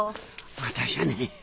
私はね